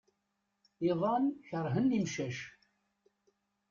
Iḍan kerhen imcac.